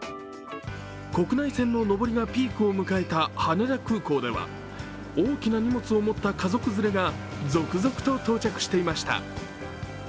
国内線の上りがピークを迎えた羽田空港では大きな荷物を持った家族連れが続々到着していました。